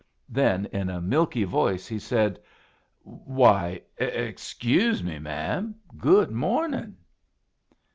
Then in a milky voice, he said: "Why, excuse me, ma'am! Good morning."